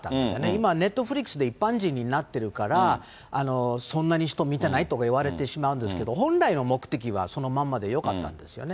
今、ネットフリックスで一般人になってるから、そんなに人見てないとか言われてしまうんですけど、本来の目的はそのまんまでよかったんですよね。